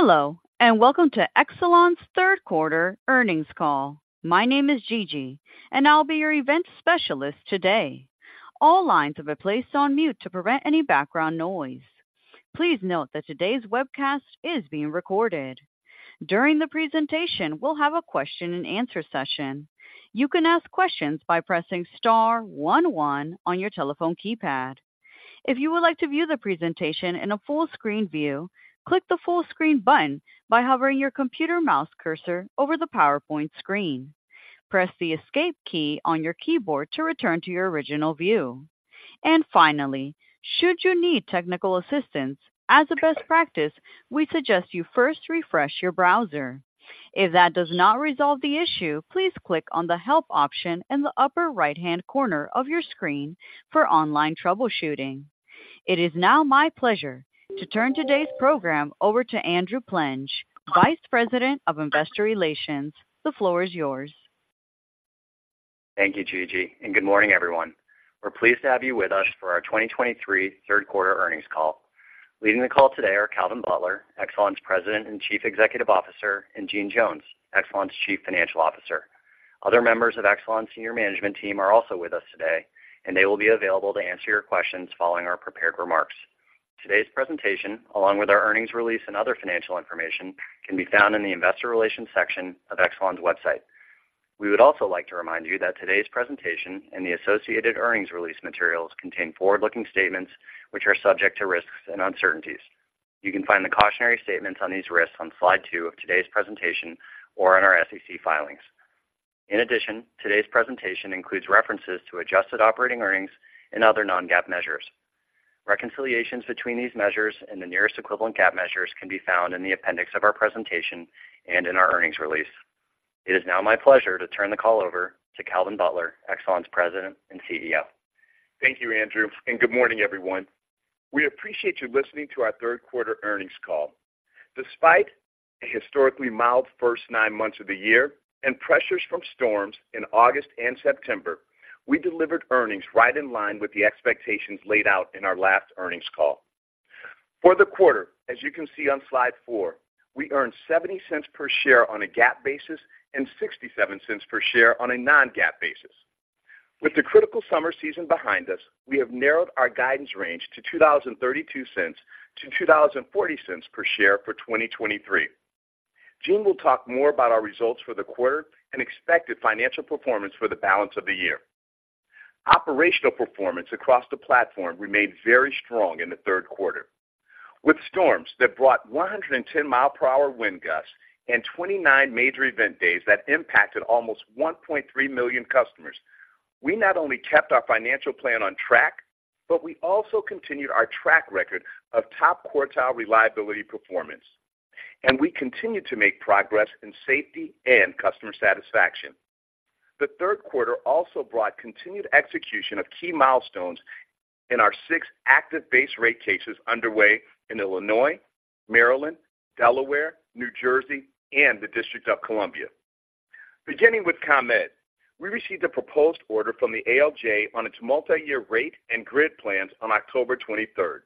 Hello, and welcome to Exelon's third quarter earnings call. My name is Gigi, and I'll be your event specialist today. All lines have been placed on mute to prevent any background noise. Please note that today's webcast is being recorded. During the presentation, we'll have a question and answer session. You can ask questions by pressing star one one on your telephone keypad. If you would like to view the presentation in a full screen view, click the full screen button by hovering your computer mouse cursor over the PowerPoint screen. Press the escape key on your keyboard to return to your original view. And finally, should you need technical assistance, as a best practice, we suggest you first refresh your browser. If that does not resolve the issue, please click on the Help option in the upper right-hand corner of your screen for online troubleshooting. It is now my pleasure to turn today's program over to Andrew Plenge, Vice President of Investor Relations. The floor is yours. Thank you, Gigi, and good morning, everyone. We're pleased to have you with us for our 2023 third quarter earnings call. Leading the call today are Calvin Butler, Exelon's President and Chief Executive Officer, and Jeanne Jones, Exelon's Chief Financial Officer. Other members of Exelon's senior management team are also with us today, and they will be available to answer your questions following our prepared remarks. Today's presentation, along with our earnings release and other financial information, can be found in the Investor Relations section of Exelon's website. We would also like to remind you that today's presentation and the associated earnings release materials contain forward-looking statements which are subject to risks and uncertainties. You can find the cautionary statements on these risks on slide two of today's presentation or in our SEC filings. In addition, today's presentation includes references to adjusted operating earnings and other Non-GAAP measures. Reconciliations between these measures and the nearest equivalent GAAP measures can be found in the appendix of our presentation and in our earnings release. It is now my pleasure to turn the call over to Calvin Butler, Exelon's President and CEO. Thank you, Andrew, and good morning, everyone. We appreciate you listening to our third quarter earnings call. Despite a historically mild first nine months of the year and pressures from storms in August and September, we delivered earnings right in line with the expectations laid out in our last earnings call. For the quarter, as you can see on slide four, we earned $0.70 per share on a GAAP basis and $0.67 per share on a Non-GAAP basis. With the critical summer season behind us, we have narrowed our guidance range to $2.32-$2.40 per share for 2023. Jeanne will talk more about our results for the quarter and expected financial performance for the balance of the year. Operational performance across the platform remained very strong in the third quarter. With storms that brought 110-mile-per-hour wind gusts and 29 major event days that impacted almost 1.3 million customers, we not only kept our financial plan on track, but we also continued our track record of top quartile reliability performance, and we continued to make progress in safety and customer satisfaction. The third quarter also brought continued execution of key milestones in our six active base rate cases underway in Illinois, Maryland, Delaware, New Jersey, and the District of Columbia. Beginning with ComEd, we received a proposed order from the ALJ on its multi-year rate and grid plans on October 23rd.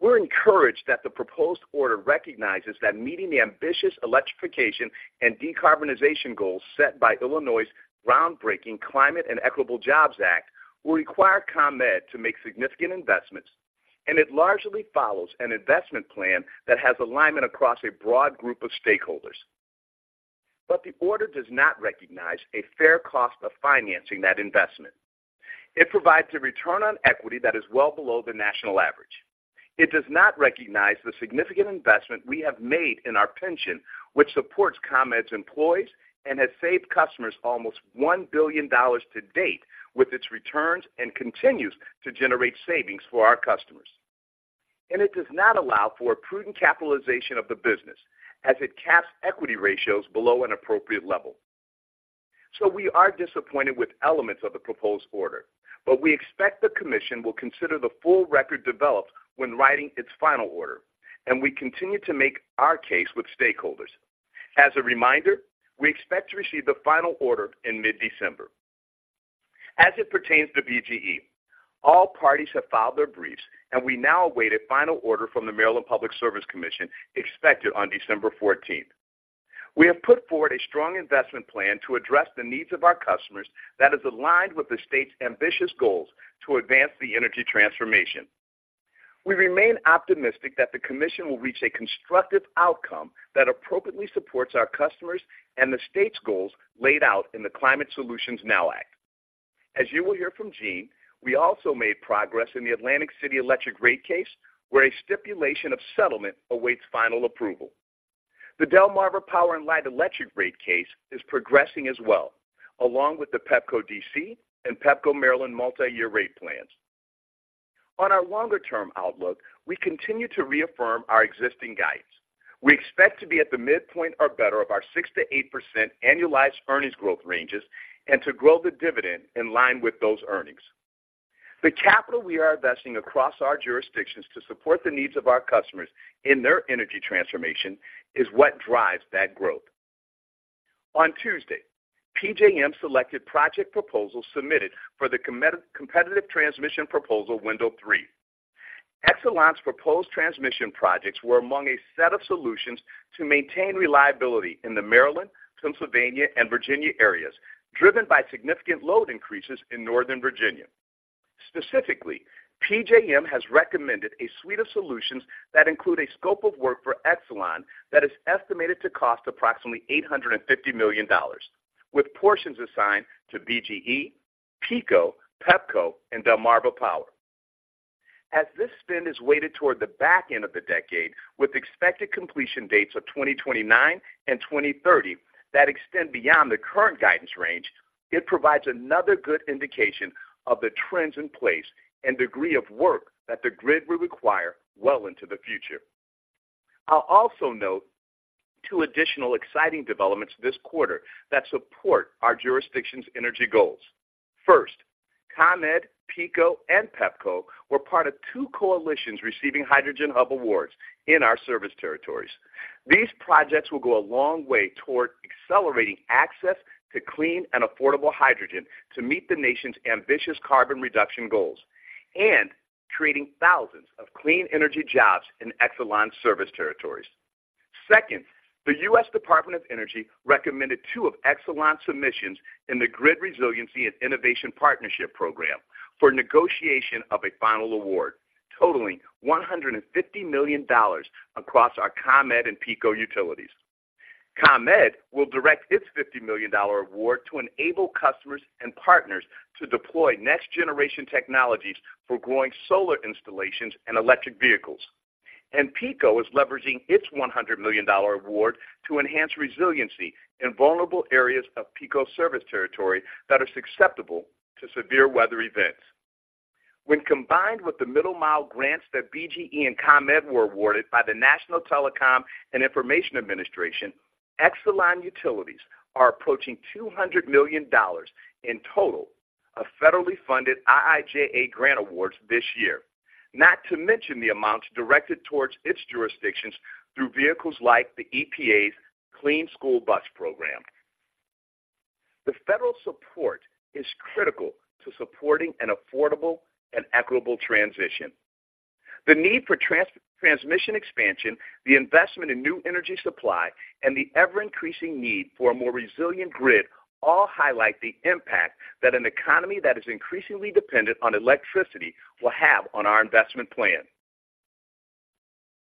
We're encouraged that the proposed order recognizes that meeting the ambitious electrification and decarbonization goals set by Illinois' groundbreaking Climate and Equitable Jobs Act will require ComEd to make significant investments, and it largely follows an investment plan that has alignment across a broad group of stakeholders. The order does not recognize a fair cost of financing that investment. It provides a return on equity that is well below the national average. It does not recognize the significant investment we have made in our pension, which supports ComEd's employees and has saved customers almost $1 billion to date with its returns and continues to generate savings for our customers. It does not allow for a prudent capitalization of the business as it caps equity ratios below an appropriate level. So we are disappointed with elements of the proposed order, but we expect the commission will consider the full record developed when writing its final order, and we continue to make our case with stakeholders. As a reminder, we expect to receive the final order in mid-December. As it pertains to BGE, all parties have filed their briefs, and we now await a final order from the Maryland Public Service Commission, expected on December 14th. We have put forward a strong investment plan to address the needs of our customers that is aligned with the state's ambitious goals to advance the energy transformation. We remain optimistic that the commission will reach a constructive outcome that appropriately supports our customers and the state's goals laid out in the Climate Solutions Now Act. As you will hear from Jean, we also made progress in the Atlantic City Electric rate case, where a stipulation of settlement awaits final approval. The Delmarva Power and Light Electric rate case is progressing as well, along with the Pepco DC and Pepco Maryland multi-year rate plans. On our longer-term outlook, we continue to reaffirm our existing guidance. We expect to be at the midpoint or better of our 6%-8% annualized earnings growth ranges and to grow the dividend in line with those earnings. The capital we are investing across our jurisdictions to support the needs of our customers in their energy transformation is what drives that growth. On Tuesday, PJM selected project proposals submitted for the competitive transmission proposal Window Three. Exelon's proposed transmission projects were among a set of solutions to maintain reliability in the Maryland, Pennsylvania, and Virginia areas, driven by significant load increases in Northern Virginia. Specifically, PJM has recommended a suite of solutions that include a scope of work for Exelon that is estimated to cost approximately $850 million, with portions assigned to BGE, PECO, Pepco, and Delmarva Power. As this spend is weighted toward the back end of the decade, with expected completion dates of 2029 and 2030, that extend beyond the current guidance range, it provides another good indication of the trends in place and degree of work that the grid will require well into the future. I'll also note two additional exciting developments this quarter that support our jurisdiction's energy goals. First, ComEd, PECO, and Pepco were part of two coalitions receiving Hydrogen Hub awards in our service territories. These projects will go a long way toward accelerating access to clean and affordable hydrogen to meet the nation's ambitious carbon reduction goals and creating thousands of clean energy jobs in Exelon's service territories. Second, the U.S. Department of Energy recommended two of Exelon's submissions in the Grid Resiliency and Innovation Partnership Program for negotiation of a final award, totaling $150 million across our ComEd and PECO utilities. ComEd will direct its $50 million award to enable customers and partners to deploy next-generation technologies for growing solar installations and electric vehicles. PECO is leveraging its $100 million award to enhance resiliency in vulnerable areas of PECO's service territory that are susceptible to severe weather events. When combined with the Middle Mile grants that BGE and ComEd were awarded by the National Telecommunications and Information Administration, Exelon utilities are approaching $200 million in total of federally funded IIJA grant awards this year. Not to mention the amounts directed towards its jurisdictions through vehicles like the EPA's Clean School Bus Program. The federal support is critical to supporting an affordable and equitable transition. The need for transmission expansion, the investment in new energy supply, and the ever-increasing need for a more resilient grid all highlight the impact that an economy that is increasingly dependent on electricity will have on our investment plan.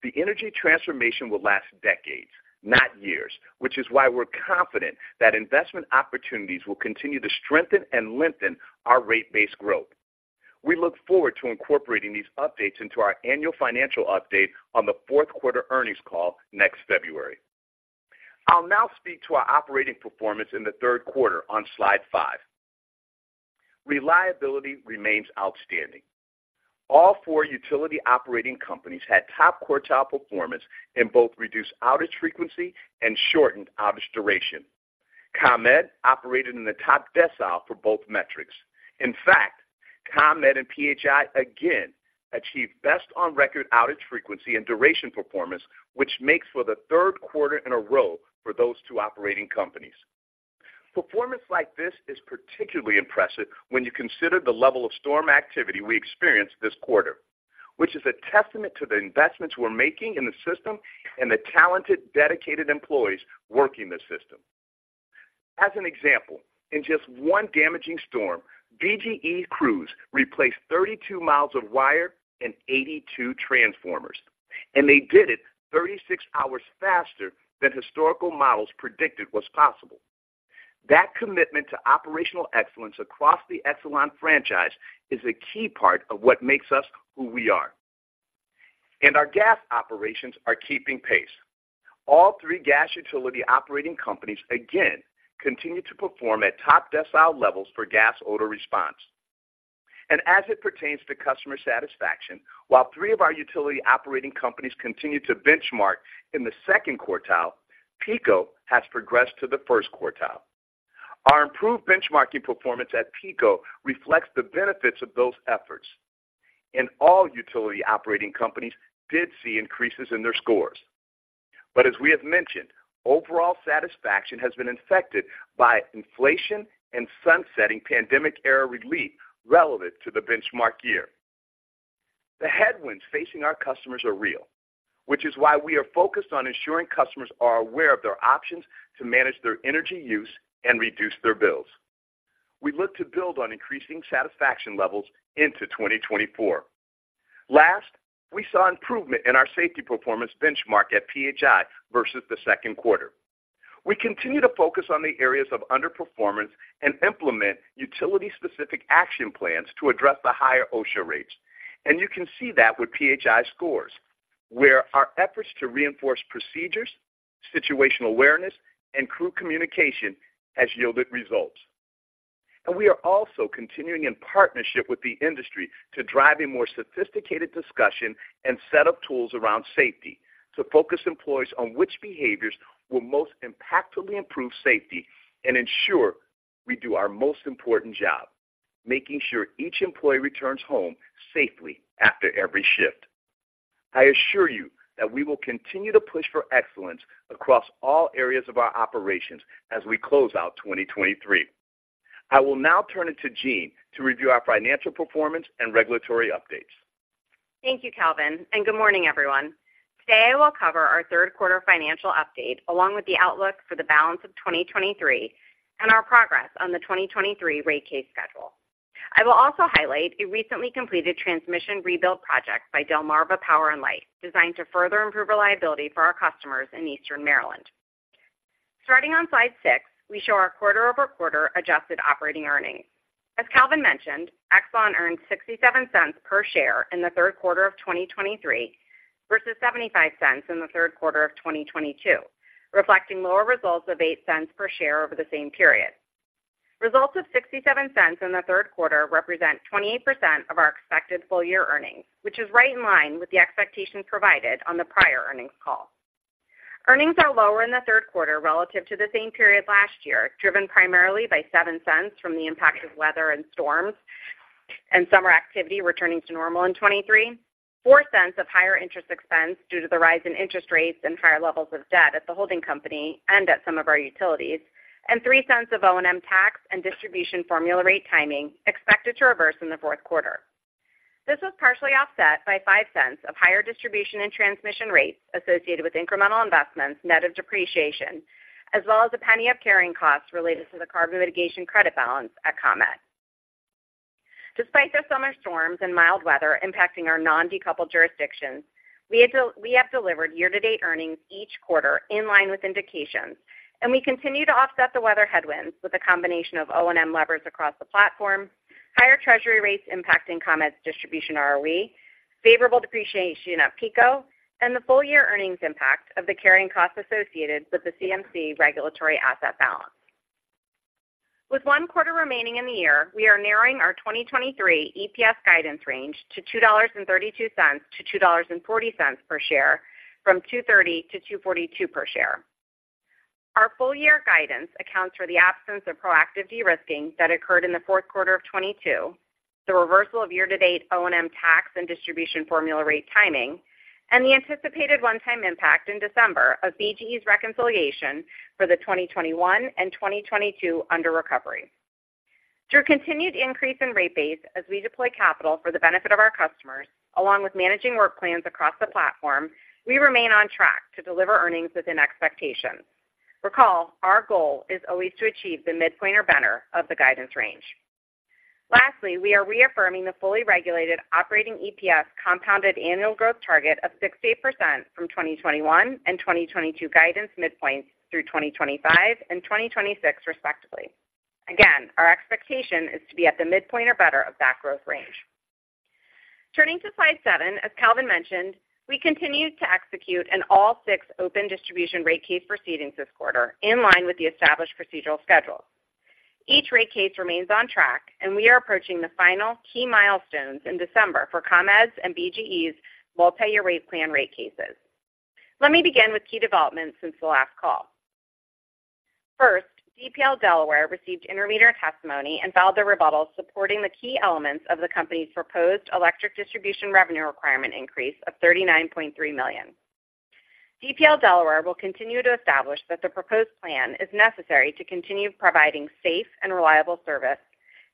The energy transformation will last decades, not years, which is why we're confident that investment opportunities will continue to strengthen and lengthen our rate base growth. We look forward to incorporating these updates into our annual financial update on the fourth quarter earnings call next February. I'll now speak to our operating performance in the third quarter on slide 5. Reliability remains outstanding. All four utility operating companies had top-quartile performance in both reduced outage frequency and shortened outage duration. ComEd operated in the top decile for both metrics. In fact, ComEd and PHI again achieved best-on-record outage frequency and duration performance, which makes for the third quarter in a row for those two operating companies. Performance like this is particularly impressive when you consider the level of storm activity we experienced this quarter, which is a testament to the investments we're making in the system and the talented, dedicated employees working the system. As an example, in just one damaging storm, BGE crews replaced 32 miles of wire and 82 transformers, and they did it 36 hours faster than historical models predicted was possible. That commitment to operational excellence across the Exelon franchise is a key part of what makes us who we are, and our gas operations are keeping pace. All three gas utility operating companies, again, continue to perform at top decile levels for gas odor response. And as it pertains to customer satisfaction, while three of our utility operating companies continue to benchmark in the second quartile, PECO has progressed to the first quartile. Our improved benchmarking performance at PECO reflects the benefits of those efforts, and all utility operating companies did see increases in their scores. But as we have mentioned, overall satisfaction has been infected by inflation and sunsetting pandemic-era relief relevant to the benchmark year. The headwinds facing our customers are real, which is why we are focused on ensuring customers are aware of their options to manage their energy use and reduce their bills. We look to build on increasing satisfaction levels into 2024. Last, we saw improvement in our safety performance benchmark at PHI versus the second quarter. We continue to focus on the areas of underperformance and implement utility-specific action plans to address the higher OSHA rates. And you can see that with PHI scores, where our efforts to reinforce procedures, situational awareness, and crew communication has yielded results. And we are also continuing in partnership with the industry to drive a more sophisticated discussion and set of tools around safety, to focus employees on which behaviors will most impactfully improve safety and ensure we do our most important job, making sure each employee returns home safely after every shift... I assure you that we will continue to push for excellence across all areas of our operations as we close out 2023. I will now turn it to Jeanne to review our financial performance and regulatory updates. Thank you, Calvin, and good morning, everyone. Today, I will cover our third quarter financial update, along with the outlook for the balance of 2023 and our progress on the 2023 rate case schedule. I will also highlight a recently completed transmission rebuild project by Delmarva Power and Light, designed to further improve reliability for our customers in Eastern Maryland. Starting on slide six, we show our quarter-over-quarter adjusted operating earnings. As Calvin mentioned, Exelon earned $0.67 per share in the third quarter of 2023, versus $0.75 per share in the third quarter of 2022, reflecting lower results of $0.08 per share over the same period. Results of $0.67 per share in the third quarter represent 28% of our expected full-year earnings, which is right in line with the expectations provided on the prior earnings call. Earnings are lower in the third quarter relative to the same period last year, driven primarily by $0.07 from the impact of weather and storms and summer activity returning to normal in 2023, $0.04 of higher interest expense due to the rise in interest rates and higher levels of debt at the holding company and at some of our utilities, and $0.03 of O&M tax and distribution formula rate timing expected to reverse in the fourth quarter. This was partially offset by $0.05 of higher distribution and transmission rates associated with incremental investments, net of depreciation, as well as $0.01 of carrying costs related to the carbon mitigation credit balance at ComEd. Despite the summer storms and mild weather impacting our non-decoupled jurisdictions, we have delivered year-to-date earnings each quarter in line with indications, and we continue to offset the weather headwinds with a combination of O&M levers across the platform, higher treasury rates impacting ComEd's distribution ROE, favorable depreciation at PECO, and the full-year earnings impact of the carrying costs associated with the CMC regulatory asset balance. With one quarter remaining in the year, we are narrowing our 2023 EPS guidance range to $2.32-$2.40 per share, from $2.30-$2.42 per share. Our full-year guidance accounts for the absence of proactive de-risking that occurred in the fourth quarter of 2022, the reversal of year-to-date O&M tax and distribution formula rate timing, and the anticipated one-time impact in December of BGE's reconciliation for the 2021 and 2022 under recovery. Through continued increase in rate base as we deploy capital for the benefit of our customers, along with managing work plans across the platform, we remain on track to deliver earnings within expectations. Recall, our goal is always to achieve the midpoint or better of the guidance range. Lastly, we are reaffirming the fully regulated operating EPS compounded annual growth target of 68% from 2021 and 2022 guidance midpoints through 2025 and 2026, respectively. Again, our expectation is to be at the midpoint or better of that growth range. Turning to slide seven, as Calvin mentioned, we continued to execute on all six open distribution rate case proceedings this quarter, in line with the established procedural schedule. Each rate case remains on track, and we are approaching the final key milestones in December for ComEd's and BGE's multi-year rate plan rate cases. Let me begin with key developments since the last call. First, DPL Delaware received intervener testimony and filed a rebuttal supporting the key elements of the company's proposed electric distribution revenue requirement increase of $39.3 million. DPL Delaware will continue to establish that the proposed plan is necessary to continue providing safe and reliable service,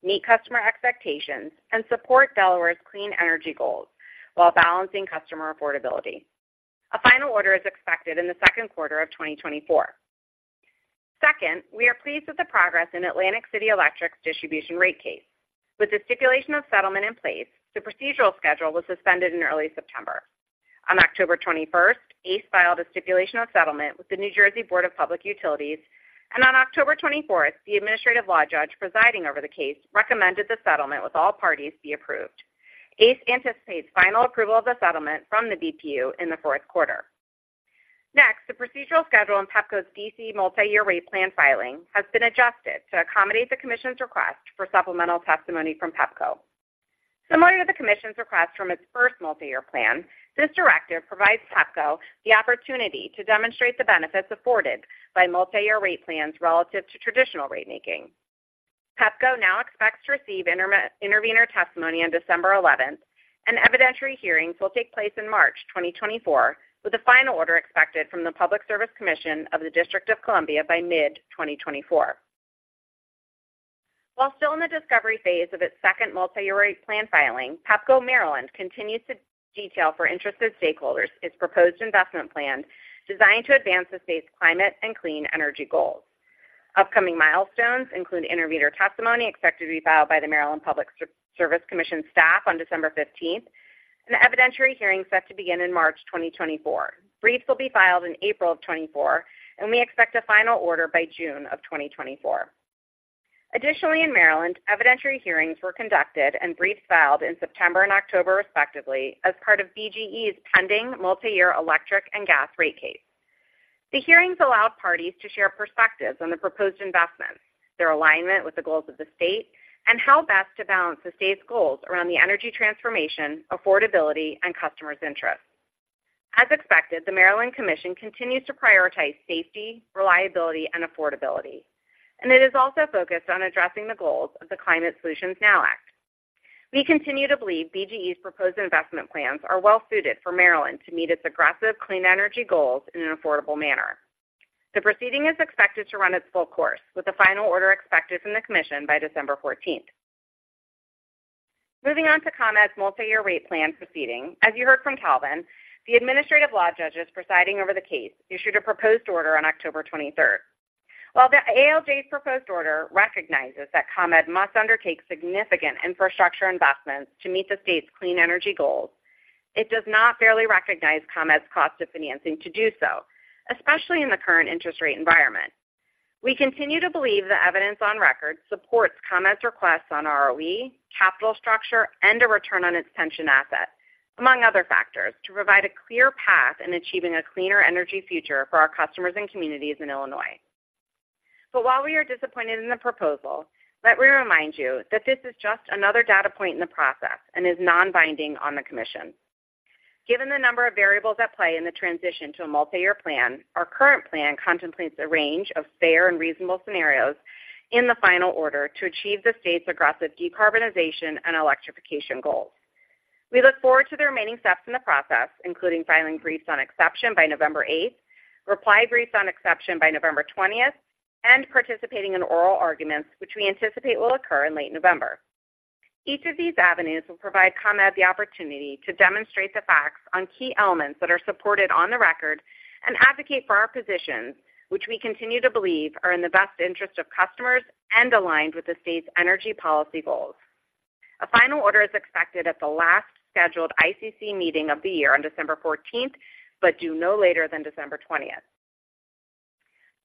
meet customer expectations, and support Delaware's clean energy goals while balancing customer affordability. A final order is expected in the second quarter of 2024. Second, we are pleased with the progress in Atlantic City Electric's distribution rate case. With the stipulation of settlement in place, the procedural schedule was suspended in early September. On October 21st, ACE filed a stipulation of settlement with the New Jersey Board of Public Utilities, and on October 24th, the administrative law judge presiding over the case recommended the settlement with all parties be approved. ACE anticipates final approval of the settlement from the BPU in the fourth quarter. Next, the procedural schedule in Pepco's D.C. multi-year rate plan filing has been adjusted to accommodate the Commission's request for supplemental testimony from Pepco. Similar to the Commission's request from its first multi-year plan, this directive provides Pepco the opportunity to demonstrate the benefits afforded by multi-year rate plans relative to traditional rate making. Pepco now expects to receive intervenor testimony on December 11th, and evidentiary hearings will take place in March 2024, with a final order expected from the Public Service Commission of the District of Columbia by mid-2024. While still in the discovery phase of its second multi-year rate plan filing, Pepco Maryland continues to detail for interested stakeholders its proposed investment plan designed to advance the state's climate and clean energy goals. Upcoming milestones include intervenor testimony expected to be filed by the Maryland Public Service Commission staff on December 15th, and evidentiary hearings set to begin in March 2024. Briefs will be filed in April 2024, and we expect a final order by June 2024. Additionally, in Maryland, evidentiary hearings were conducted and briefs filed in September and October, respectively, as part of BGE's pending multi-year electric and gas rate case. The hearings allowed parties to share perspectives on the proposed investments, their alignment with the goals of the state, and how best to balance the state's goals around the energy transformation, affordability, and customers' interests. As expected, the Maryland Commission continues to prioritize safety, reliability, and affordability, and it is also focused on addressing the goals of the Climate Solutions Now Act. We continue to believe BGE's proposed investment plans are well suited for Maryland to meet its aggressive clean energy goals in an affordable manner. The proceeding is expected to run its full course, with a final order expected from the commission by December 14th. Moving on to ComEd's multi-year rate plan proceeding. As you heard from Calvin, the administrative law judges presiding over the case issued a proposed order on October 23rd. While the ALJ's proposed order recognizes that ComEd must undertake significant infrastructure investments to meet the state's clean energy goals, it does not fairly recognize ComEd's cost of financing to do so, especially in the current interest rate environment. We continue to believe the evidence on record supports ComEd's requests on ROE, capital structure, and a return on its pension assets, among other factors, to provide a clear path in achieving a cleaner energy future for our customers and communities in Illinois. But while we are disappointed in the proposal, let me remind you that this is just another data point in the process and is non-binding on the commission. Given the number of variables at play in the transition to a multi-year plan, our current plan contemplates a range of fair and reasonable scenarios in the final order to achieve the state's aggressive decarbonization and electrification goals. We look forward to the remaining steps in the process, including filing briefs on exception by November eighth, reply briefs on exception by November twentieth, and participating in oral arguments, which we anticipate will occur in late November. Each of these avenues will provide ComEd the opportunity to demonstrate the facts on key elements that are supported on the record and advocate for our positions, which we continue to believe are in the best interest of customers and aligned with the state's energy policy goals. A final order is expected at the last scheduled ICC meeting of the year on December fourteenth, but due no later than December twentieth.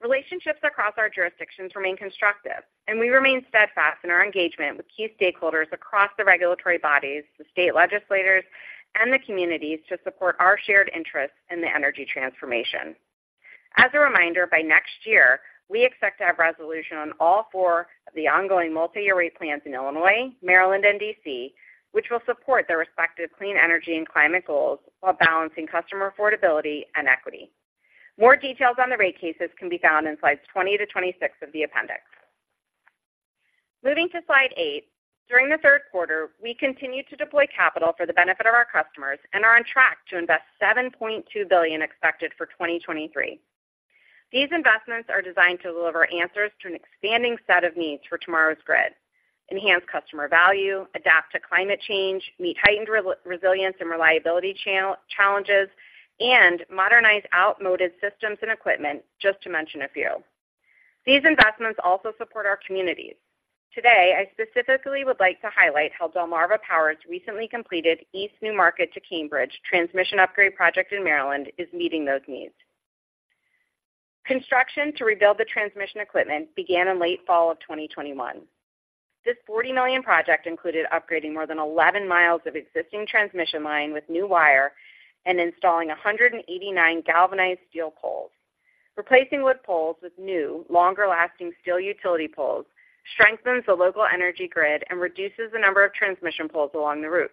Relationships across our jurisdictions remain constructive, and we remain steadfast in our engagement with key stakeholders across the regulatory bodies, the state legislators, and the communities to support our shared interests in the energy transformation. As a reminder, by next year, we expect to have resolution on all 4 of the ongoing multi-year rate plans in Illinois, Maryland, and D.C., which will support their respective clean energy and climate goals while balancing customer affordability and equity. More details on the rate cases can be found in Slide 20- Slide 26 of the appendix. Moving to slide eight. During the third quarter, we continued to deploy capital for the benefit of our customers and are on track to invest $7.2 billion expected for 2023. These investments are designed to deliver answers to an expanding set of needs for tomorrow's grid: enhance customer value, adapt to climate change, meet heightened resilience and reliability challenges, and modernize outmoded systems and equipment, just to mention a few. These investments also support our communities. Today, I specifically would like to highlight how Delmarva Power's recently completed East Newmarket to Cambridge transmission upgrade project in Maryland is meeting those needs. Construction to rebuild the transmission equipment began in late fall of 2021. This $40 million project included upgrading more than 11 miles of existing transmission line with new wire and installing 189 galvanized steel poles. Replacing wood poles with new, longer-lasting steel utility poles strengthens the local energy grid and reduces the number of transmission poles along the route.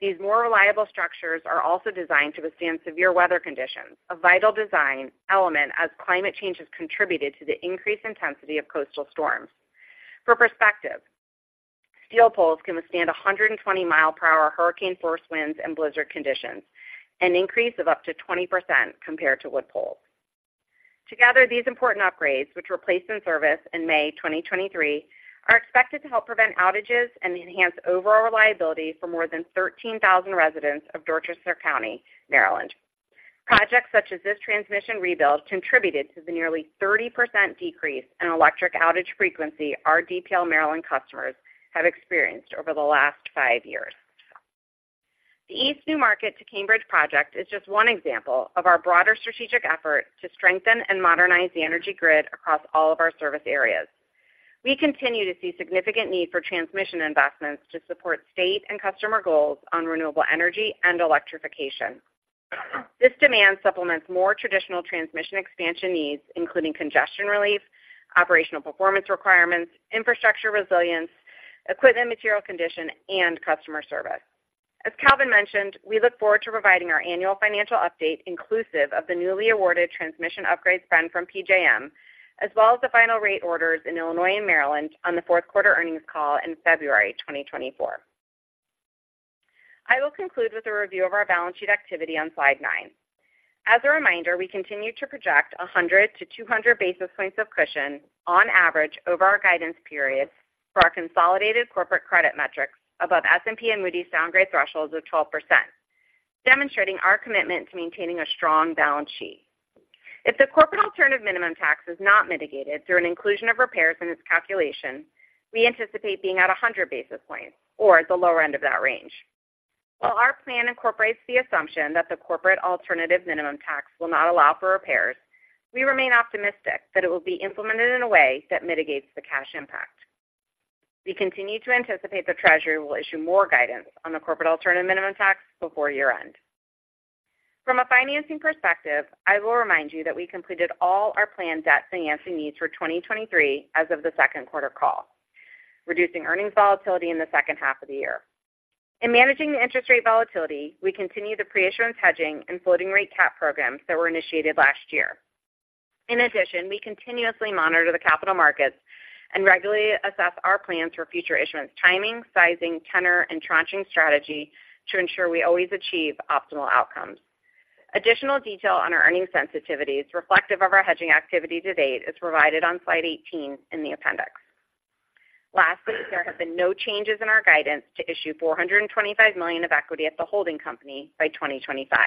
These more reliable structures are also designed to withstand severe weather conditions, a vital design element as climate change has contributed to the increased intensity of coastal storms. For perspective, steel poles can withstand 120 mile per hour hurricane-force winds and blizzard conditions, an increase of up to 20% compared to wood poles. Together, these important upgrades, which were placed in service in May 2023, are expected to help prevent outages and enhance overall reliability for more than 13,000 residents of Dorchester County, Maryland. Projects such as this transmission rebuild contributed to the nearly 30% decrease in electric outage frequency our DPL Maryland customers have experienced over the last five years. The East Newmarket to Cambridge project is just one example of our broader strategic effort to strengthen and modernize the energy grid across all of our service areas. We continue to see significant need for transmission investments to support state and customer goals on renewable energy and electrification. This demand supplements more traditional transmission expansion needs, including congestion relief, operational performance requirements, infrastructure resilience, equipment material condition, and customer service. As Calvin mentioned, we look forward to providing our annual financial update, inclusive of the newly awarded transmission upgrades fund from PJM, as well as the final rate orders in Illinois and Maryland on the fourth quarter earnings call in February 2024. I will conclude with a review of our balance sheet activity on slide nine. As a reminder, we continue to project 100 basis point-200 basis points of cushion on average over our guidance period for our consolidated corporate credit metrics above S&P and Moody's investment grade thresholds of 12%, demonstrating our commitment to maintaining a strong balance sheet. If the corporate alternative minimum tax is not mitigated through an inclusion of repairs in its calculation, we anticipate being at 100 basis points or at the lower end of that range. While our plan incorporates the assumption that the Corporate Alternative Minimum Tax will not allow for repairs, we remain optimistic that it will be implemented in a way that mitigates the cash impact. We continue to anticipate the Treasury will issue more guidance on the Corporate Alternative Minimum Tax before year-end. From a financing perspective, I will remind you that we completed all our planned debt financing needs for 2023 as of the second quarter call, reducing earnings volatility in the second half of the year. In managing the interest rate volatility, we continue the pre-issuance hedging and floating rate cap programs that were initiated last year. In addition, we continuously monitor the capital markets and regularly assess our plans for future issuance, timing, sizing, tenor, and tranching strategy to ensure we always achieve optimal outcomes. Additional detail on our earnings sensitivities, reflective of our hedging activity to date, is provided on Slide 18 in the appendix. Lastly, there have been no changes in our guidance to issue $425 million of equity at the holding company by 2025.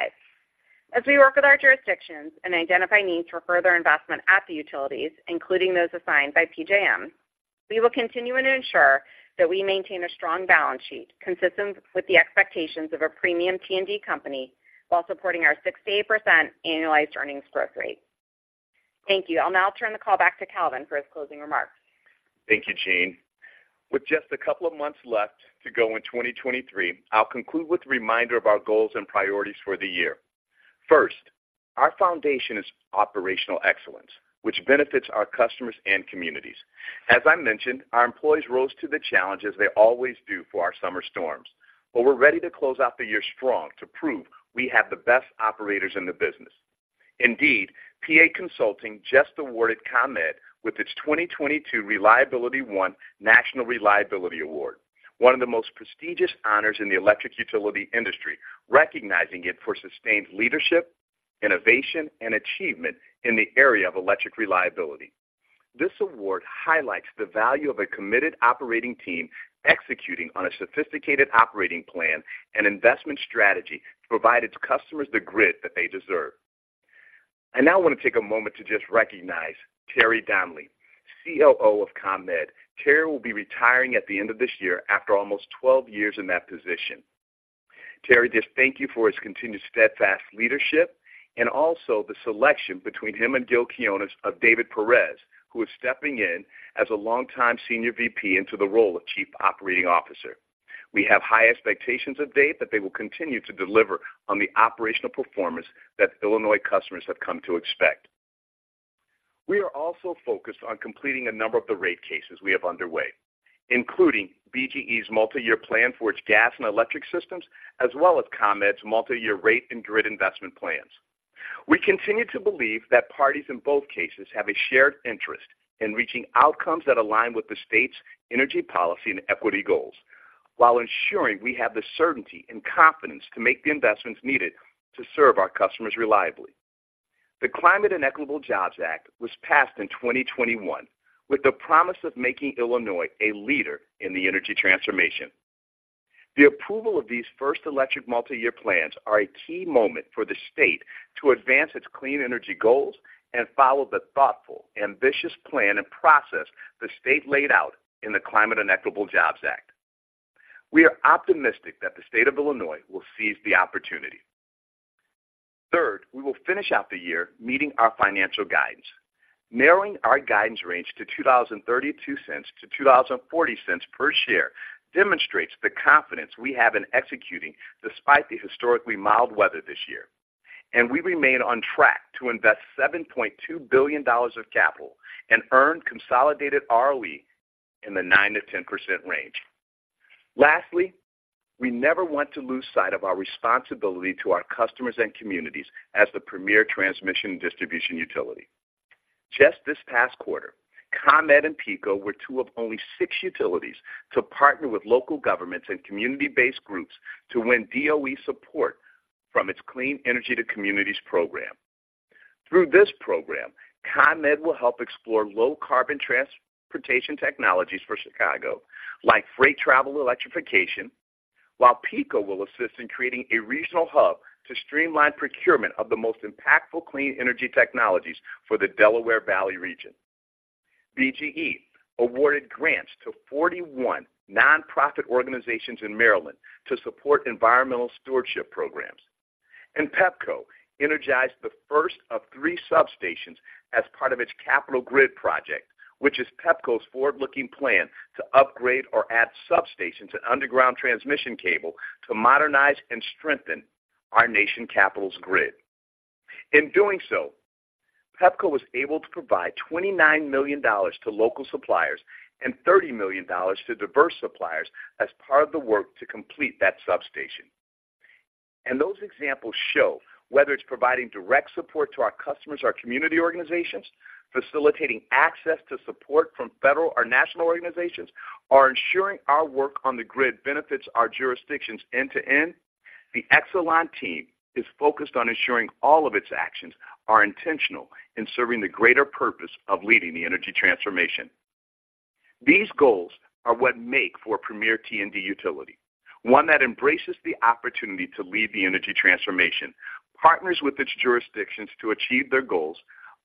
As we work with our jurisdictions and identify needs for further investment at the utilities, including those assigned by PJM, we will continue to ensure that we maintain a strong balance sheet, consistent with the expectations of a premium T&D company, while supporting our 6%-8% annualized earnings growth rate. Thank you. I'll now turn the call back to Calvin for his closing remarks. Thank you, Jeanne. With just a couple of months left to go in 2023, I'll conclude with a reminder of our goals and priorities for the year. First, our foundation is operational excellence, which benefits our customers and communities. As I mentioned, our employees rose to the challenges they always do for our summer storms, but we're ready to close out the year strong to prove we have the best operators in the business. Indeed, PA Consulting just awarded ComEd with its 2022 ReliabilityOne National Reliability Award, one of the most prestigious honors in the electric utility industry, recognizing it for sustained leadership, innovation, and achievement in the area of electric reliability. This award highlights the value of a committed operating team executing on a sophisticated operating plan and investment strategy to provide its customers the grid that they deserve. I now want to take a moment to just recognize Terry Donnelly, COO of ComEd. Terry will be retiring at the end of this year after almost 12 years in that position. Terry, just thank you for his continued steadfast leadership and also the selection between him and Gil Quiniones of David Perez, who is stepping in as a longtime Senior VP into the role of Chief Operating Officer. We have high expectations to date that they will continue to deliver on the operational performance that Illinois customers have come to expect. We are also focused on completing a number of the rate cases we have underway, including BGE's multi-year plan for its gas and electric systems, as well as ComEd's multi-year rate and grid investment plans. We continue to believe that parties in both cases have a shared interest in reaching outcomes that align with the state's energy policy and equity goals, while ensuring we have the certainty and confidence to make the investments needed to serve our customers reliably. The Climate and Equitable Jobs Act was passed in 2021, with the promise of making Illinois a leader in the energy transformation. The approval of these first electric multi-year plans are a key moment for the state to advance its clean energy goals and follow the thoughtful, ambitious plan and process the state laid out in the Climate and Equitable Jobs Act. We are optimistic that the state of Illinois will seize the opportunity. Third, we will finish out the year meeting our financial guidance. Narrowing our guidance range to $2.32-$2.40 per share demonstrates the confidence we have in executing despite the historically mild weather this year, and we remain on track to invest $7.2 billion of capital and earn consolidated ROE in the 9%-10% range. Lastly, we never want to lose sight of our responsibility to our customers and communities as the premier transmission and distribution utility. Just this past quarter, ComEd and PECO were two of only six utilities to partner with local governments and community-based groups to win DOE support from its Clean Energy to Communities program. Through this program, ComEd will help explore low-carbon transportation technologies for Chicago, like freight travel electrification, while PECO will assist in creating a regional hub to streamline procurement of the most impactful clean energy technologies for the Delaware Valley region. BGE awarded grants to 41 nonprofit organizations in Maryland to support environmental stewardship programs, and Pepco energized the first of three substations as part of its Capital Grid project, which is Pepco's forward-looking plan to upgrade or add substations and underground transmission cable to modernize and strengthen our nation's capital's grid. In doing so, Pepco was able to provide $29 million to local suppliers and $30 million to diverse suppliers as part of the work to complete that substation. Those examples show, whether it's providing direct support to our customers or community organizations, facilitating access to support from federal or national organizations, or ensuring our work on the grid benefits our jurisdictions end to end, the Exelon team is focused on ensuring all of its actions are intentional in serving the greater purpose of leading the energy transformation. These goals are what make for a premier T&D utility, one that embraces the opportunity to lead the energy transformation, partners with its jurisdictions to achieve their goals,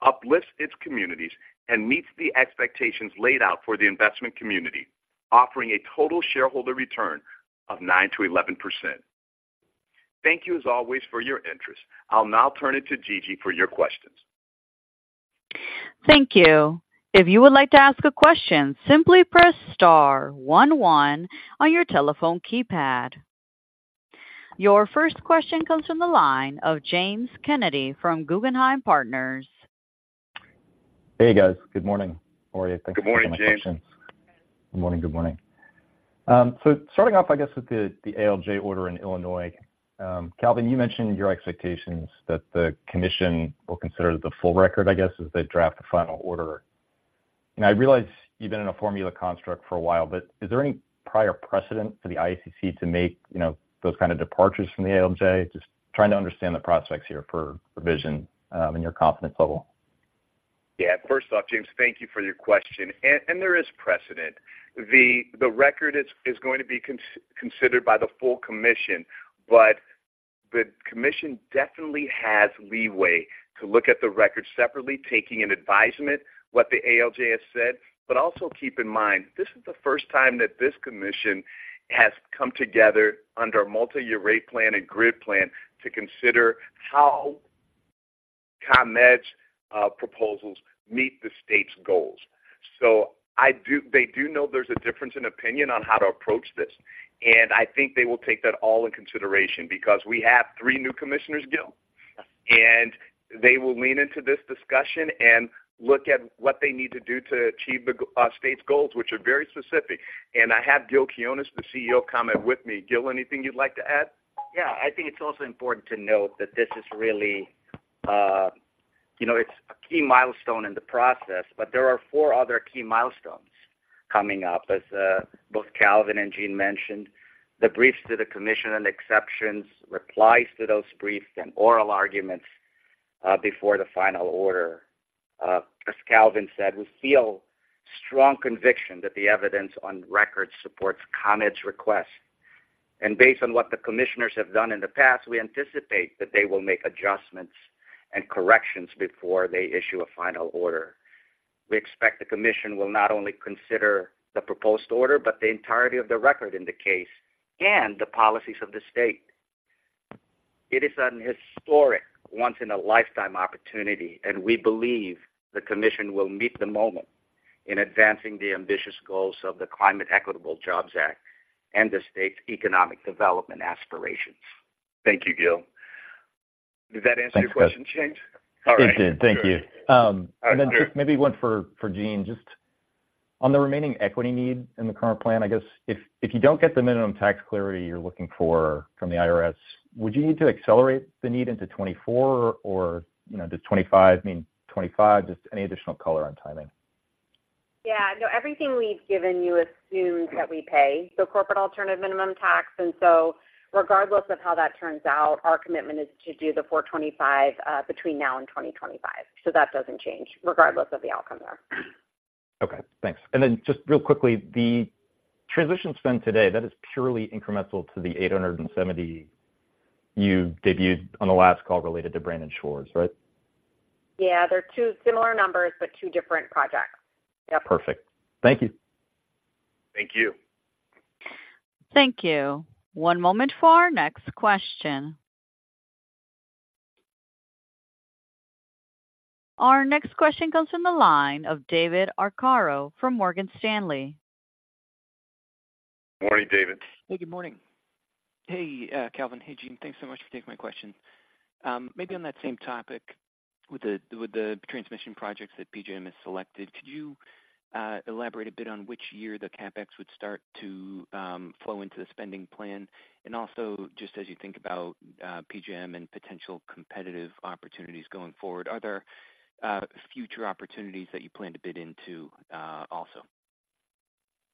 uplifts its communities, and meets the expectations laid out for the investment community, offering a total shareholder return of 9%-11%. Thank you, as always, for your interest. I'll now turn it to Gigi for your questions. Thank you. If you would like to ask a question, simply press star one one on your telephone keypad.... Your first question comes from the line of James Kennedy from Guggenheim Partners. Hey, guys. Good morning. How are you? Good morning, James. Good morning, good morning. So starting off, I guess, with the ALJ order in Illinois. Calvin, you mentioned your expectations that the commission will consider the full record, I guess, as they draft the final order. And I realize you've been in a formula construct for a while, but is there any prior precedent for the ICC to make, you know, those kind of departures from the ALJ? Just trying to understand the prospects here for revision, and your confidence level. Yeah. First off, James, thank you for your question. And there is precedent. The record is going to be considered by the full commission, but the commission definitely has leeway to look at the record separately, taking an advisement, what the ALJ has said. But also keep in mind, this is the first time that this commission has come together under a multi-year rate plan and grid plan to consider how ComEd's proposals meet the state's goals. So they do know there's a difference in opinion on how to approach this, and I think they will take that all in consideration because we have three new commissioners, Gil, and they will lean into this discussion and look at what they need to do to achieve the state's goals, which are very specific. I have Gil Quiniones, the CEO of ComEd, with me. Gil, anything you'd like to add? Yeah, I think it's also important to note that this is really, you know, it's a key milestone in the process, but there are four other key milestones coming up, as both Calvin and Jean mentioned, the briefs to the commission and exceptions, replies to those briefs and oral arguments before the final order. As Calvin said, we feel strong conviction that the evidence on record supports ComEd's request. And based on what the commissioners have done in the past, we anticipate that they will make adjustments and corrections before they issue a final order. We expect the commission will not only consider the proposed order, but the entirety of the record in the case and the policies of the state. It is an historic, once-in-a-lifetime opportunity, and we believe the commission will meet the moment in advancing the ambitious goals of the Climate Equitable Jobs Act and the state's economic development aspirations. Thank you, Gil. Did that answer your question, James? It did. Thank you. All right. And then just maybe one for Jeanne, just on the remaining equity need in the current plan, I guess if you don't get the minimum tax clarity you're looking for from the IRS, would you need to accelerate the need into 2024, or, you know, does 2025 mean 2025? Just any additional color on timing. Yeah. No, everything we've given you assumes that we pay the Corporate Alternative Minimum Tax, and so regardless of how that turns out, our commitment is to do the $4.25 between now and 2025. So that doesn't change regardless of the outcome there. Okay, thanks. And then just real quickly, the transition spend today, that is purely incremental to the $870 you debuted on the last call related to Brandon Shores, right? Yeah, they're two similar numbers, but two different projects. Yep. Perfect. Thank you. Thank you. Thank you. One moment for our next question. Our next question comes from the line of David Arcaro from Morgan Stanley. Morning, David. Hey, good morning. Hey, Calvin. Hey, Jeanne. Thanks so much for taking my question. Maybe on that same topic, with the transmission projects that PJM has selected, could you elaborate a bit on which year the CapEx would start to flow into the spending plan? And also, just as you think about PJM and potential competitive opportunities going forward, are there future opportunities that you plan to bid into also?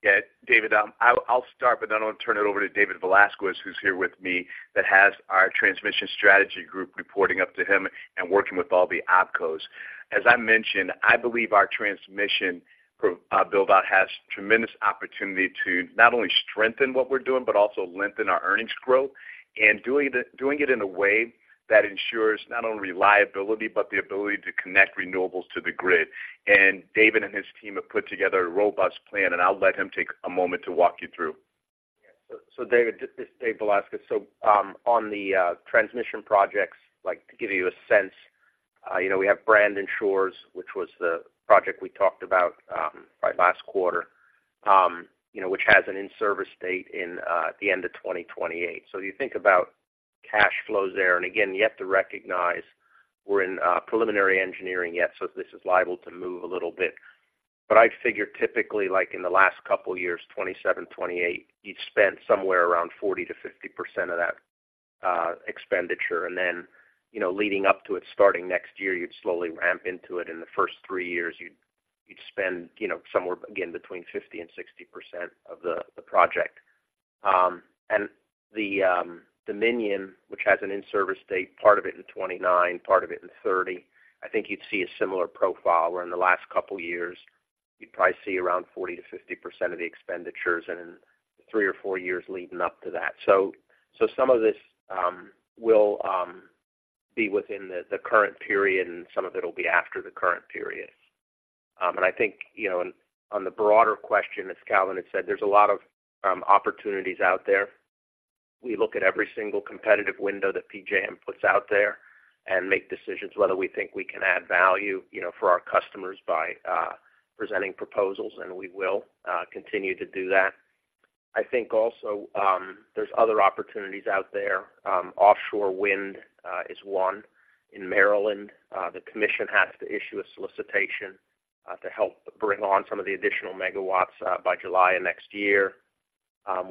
Yeah, David, I'll start, but then I want to turn it over to David Velazquez, who's here with me, that has our transmission strategy group reporting up to him and working with all the OpCos. As I mentioned, I believe our transmission build-out has tremendous opportunity to not only strengthen what we're doing, but also lengthen our earnings growth. And doing it in a way that ensures not only reliability, but the ability to connect renewables to the grid. And David and his team have put together a robust plan, and I'll let him take a moment to walk you through. Yeah. So, David, this is David Velazquez. So, on the transmission projects, like, to give you a sense, you know, we have Brandon Shores, which was the project we talked about, last quarter, you know, which has an in-service date in the end of 2028. So you think about cash flows there, and again, you have to recognize we're in preliminary engineering yet, so this is liable to move a little bit. But I figure typically, like in the last couple of years, 2027, 2028, you'd spend somewhere around 40%-50% of that expenditure, and then, you know, leading up to it starting next year, you'd slowly ramp into it. In the first three years, you'd spend, you know, somewhere, again, between 50%-60% of the project. And the Dominion, which has an in-service date, part of it in 2029, part of it in 2030, I think you'd see a similar profile, where in the last couple of years you'd probably see around 40%-50% of the expenditures and in three or four years leading up to that. So some of this will be within the current period, and some of it will be after the current period. And I think, you know, on the broader question, as Calvin had said, there's a lot of opportunities out there. We look at every single competitive window that PJM puts out there... and make decisions whether we think we can add value, you know, for our customers by presenting proposals, and we will continue to do that. I think also, there's other opportunities out there. Offshore wind is one. In Maryland, the commission has to issue a solicitation to help bring on some of the additional megawatts by July of next year.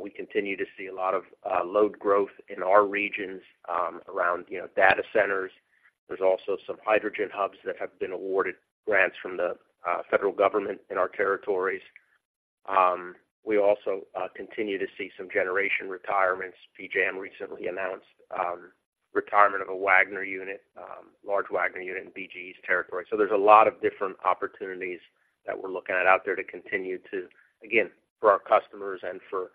We continue to see a lot of load growth in our regions around, you know, data centers. There's also some Hydrogen Hubs that have been awarded grants from the federal government in our territories. We also continue to see some generation retirements. PJM recently announced retirement of a Wagner unit, large Wagner unit in BGE's territory. So there's a lot of different opportunities that we're looking at out there to continue to, again, for our customers and for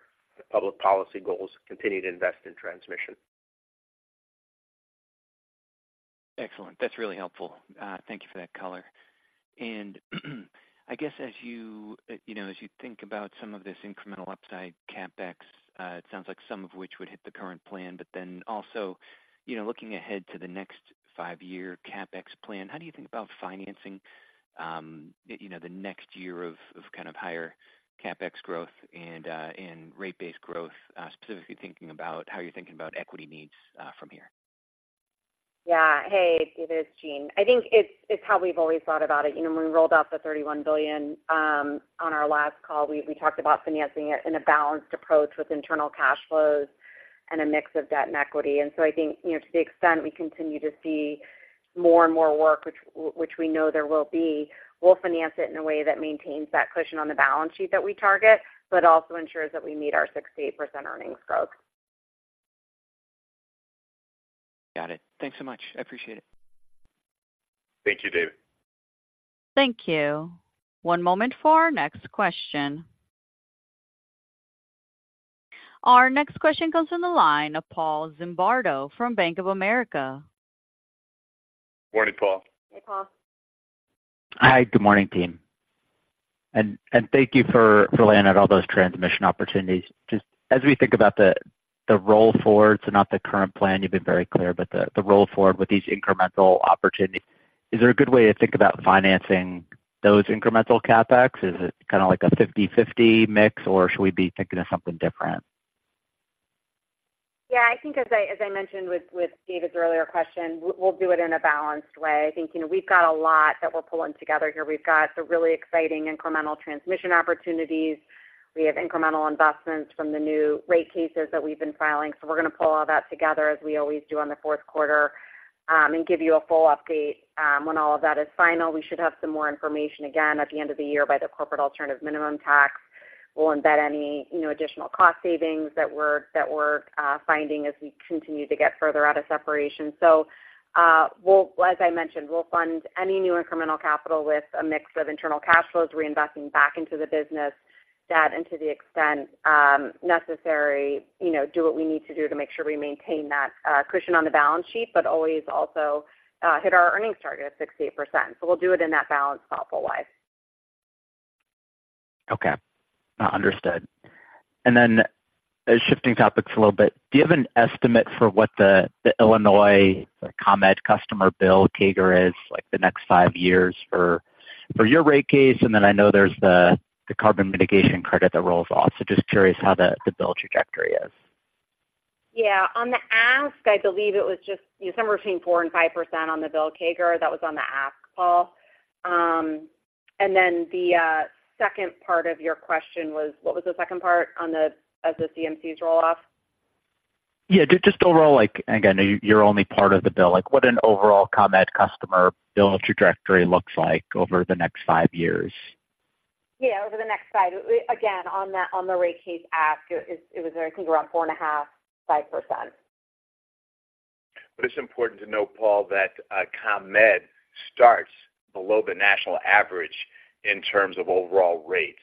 public policy goals, continue to invest in transmission. Excellent. That's really helpful. Thank you for that color. And I guess as you, you know, as you think about some of this incremental upside, CapEx, it sounds like some of which would hit the current plan, but then also, you know, looking ahead to the next five-year CapEx plan, how do you think about financing, you know, the next year of kind of higher CapEx growth and rate-based growth, specifically thinking about how you're thinking about equity needs from here? Yeah. Hey, it is Jeanne. I think it's, it's how we've always thought about it. You know, when we rolled out the $31 billion on our last call, we, we talked about financing it in a balanced approach with internal cash flows and a mix of debt and equity. And so I think, you know, to the extent we continue to see more and more work, which, which we know there will be, we'll finance it in a way that maintains that cushion on the balance sheet that we target, but also ensures that we meet our 6%-8% earnings growth. Got it. Thanks so much. I appreciate it. Thank you, David. Thank you. One moment for our next question. Our next question comes from the line of Paul Zimbardo from Bank of America. Morning, Paul. Hey, Paul. Hi, good morning, team. And thank you for laying out all those transmission opportunities. Just as we think about the roll forward, so not the current plan, you've been very clear, but the roll forward with these incremental opportunities, is there a good way to think about financing those incremental CapEx? Is it kind of like a 50/50 mix, or should we be thinking of something different? Yeah, I think as I mentioned with David's earlier question, we'll do it in a balanced way. I think, you know, we've got a lot that we're pulling together here. We've got some really exciting incremental transmission opportunities. We have incremental investments from the new rate cases that we've been filing. So we're going to pull all that together, as we always do on the fourth quarter, and give you a full update when all of that is final. We should have some more information again at the end of the year by the Corporate Alternative Minimum Tax. We'll embed any, you know, additional cost savings that we're finding as we continue to get further out of separation. So, as I mentioned, we'll fund any new incremental capital with a mix of internal cash flows, reinvesting back into the business, debt, and to the extent necessary, you know, do what we need to do to make sure we maintain that cushion on the balance sheet, but always also hit our earnings target of 6%-8%. So we'll do it in that balanced, thoughtful way. Okay. Understood. And then shifting topics a little bit, do you have an estimate for what the Illinois ComEd customer bill CAGR is, like, the next five years for your rate case? And then I know there's the Carbon Mitigation Credit that rolls off. So just curious how the bill trajectory is. Yeah. On the ask, I believe it was just somewhere between 4% and 5% on the bill CAGR. That was on the ask, Paul. And then the second part of your question was... What was the second part on the, as the CMC's roll-off? Yeah, just overall, like, again, you're only part of the bill. Like, what an overall ComEd customer bill trajectory looks like over the next five years. Yeah, over the next 5. Again, on the rate case ask, it was, I think, around 4.5%-5%. But it's important to note, Paul, that ComEd starts below the national average in terms of overall rates.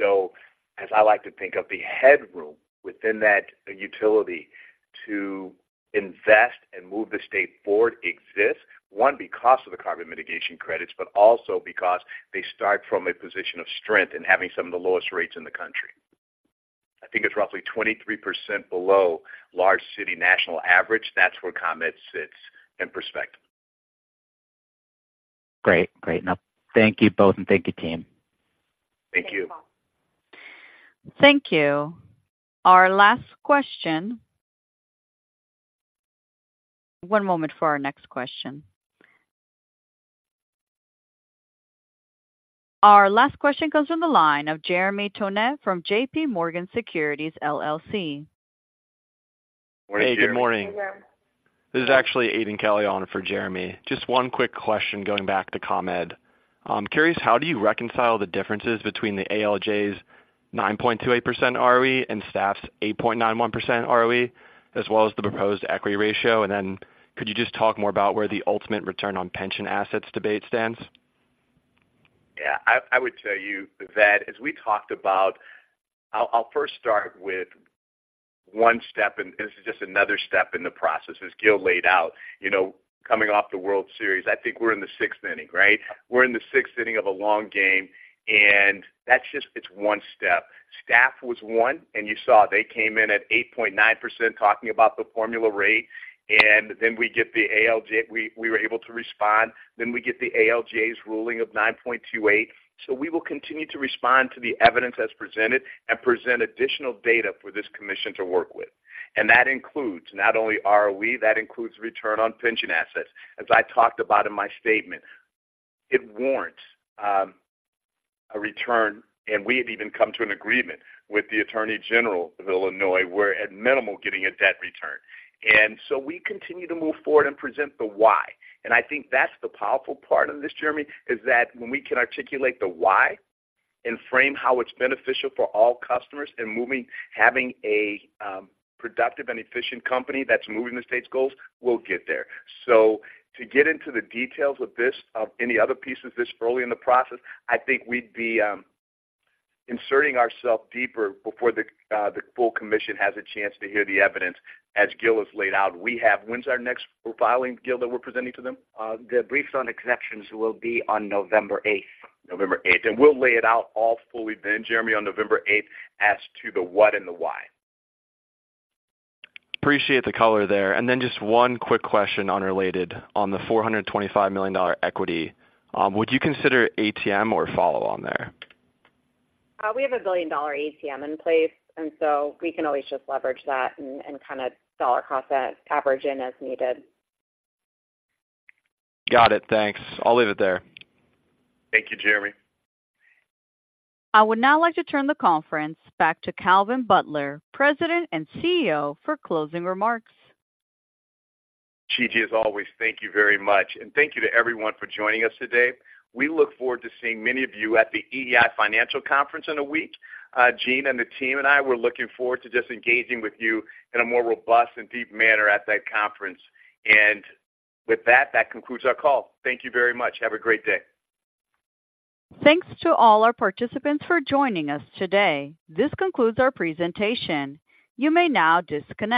So as I like to think of the headroom within that utility to invest and move the state forward exists, one, because of the carbon mitigation credits, but also because they start from a position of strength in having some of the lowest rates in the country. I think it's roughly 23% below large city national average. That's where ComEd sits in perspective. Great. Great. Now, thank you both, and thank you, team. Thank you. Thanks, Paul. Thank you. Our last question... One moment for our next question. Our last question comes from the line of Jeremy Tonet from JP Morgan Securities, LLC. Good morning. Hey, good morning. Hey, Jer. This is actually Aidan Kelly on for Jeremy. Just one quick question going back to ComEd. Curious, how do you reconcile the differences between the ALJ's 9.28% ROE and staff's 8.91% ROE, as well as the proposed equity ratio? And then could you just talk more about where the ultimate return on pension assets debate stands? Yeah, I, I would tell you that as we talked about... I'll, I'll first start with one step, and this is just another step in the process, as Gil laid out. You know, coming off the World Series, I think we're in the sixth inning, right? We're in the sixth inning of a long game, and that's just, it's one step. Staff was one, and you saw they came in at 8.9% talking about the formula rate. ... Then we get the ALJ. We were able to respond, then we get the ALJ's ruling of 9.28%. So we will continue to respond to the evidence as presented and present additional data for this commission to work with. And that includes not only ROE, that includes return on pension assets. As I talked about in my statement, it warrants a return, and we have even come to an agreement with the Attorney General of Illinois, where at minimal, getting a debt return. And so we continue to move forward and present the why. And I think that's the powerful part of this, Jeremy, is that when we can articulate the why and frame how it's beneficial for all customers and moving, having a productive and efficient company that's moving the state's goals, we'll get there. So to get into the details of this, of any other piece of this early in the process, I think we'd be inserting ourselves deeper before the full commission has a chance to hear the evidence, as Gil has laid out. We have. When's our next filing, Gil, that we're presenting to them? The briefs on exceptions will be on November eighth. November eighth, and we'll lay it out all fully then, Jeremy, on November eighth as to the what and the why. Appreciate the color there. Then just one quick question, unrelated on the $425 million equity. Would you consider ATM or follow-on there? We have a billion-dollar ATM in place, and so we can always just leverage that and kind of dollar-cost average in as needed. Got it. Thanks. I'll leave it there. Thank you, Jeremy. I would now like to turn the conference back to Calvin Butler, President and CEO, for closing remarks. Gigi, as always, thank you very much, and thank you to everyone for joining us today. We look forward to seeing many of you at the EEI Financial Conference in a week. Jeanne and the team and I, we're looking forward to just engaging with you in a more robust and deep manner at that conference. With that, that concludes our call. Thank you very much. Have a great day. Thanks to all our participants for joining us today. This concludes our presentation. You may now disconnect.